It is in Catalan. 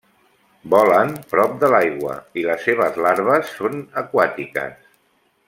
Volen prop de l'aigua i les seves larves són aquàtiques.